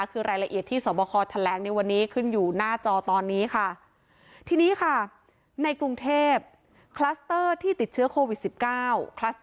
คือรายละเอียดที่สวบคอแถลงในวันนี้ขึ้นอยู่หน้าจอตอนนี้ค่ะทีนี้ค่ะในกรุงเทพคลัสเตอร์ที่ติดเชื้อโควิด๑๙